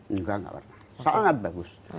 enggak enggak pernah sangat bagus